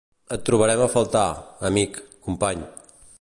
Et trobarem a faltar, amic, company.